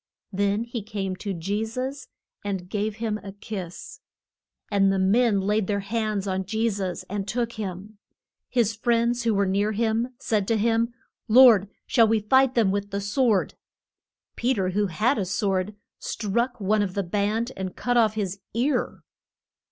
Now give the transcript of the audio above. Then he came to Je sus and gave him a kiss. And the men laid their hands on Je sus and took him. His friends who were near him said to him, Lord, shall we fight them with the sword? Pe ter who had a sword struck one of the band and cut off his ear.